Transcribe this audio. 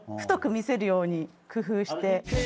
太く見せるように工夫して。